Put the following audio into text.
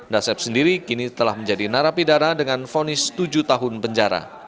dasep sendiri kini telah menjadi narapidana dengan fonis tujuh tahun penjara